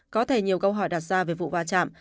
có thể nhiều câu hỏi đặt ra về vụ va chạm